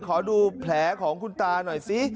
ขอดูแผลของคุณตาหน่อยสิ